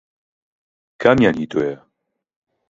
کامیان هی تۆیە؟